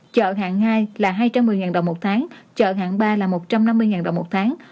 chợ hạng hai là hai trăm một mươi đồng một tháng chợ hạng ba là một trăm năm mươi đồng một tháng